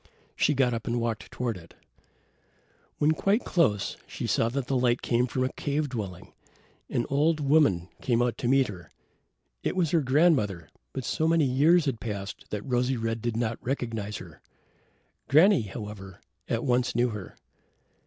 She got up and walked toward it. When quite close, she saw that the light came from a cave dwelling. An old woman came out to meet her. It was her grandmother, but so many years had passed that Rosy red did not recognize her. Granny, however, at once knew her.